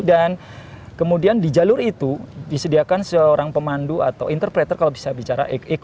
dan kemudian di jalur itu disediakan seorang pemandu atau interpreter kalau bisa bicara ekoturisme